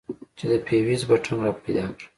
چې د فيوز بټن راپيدا کړم.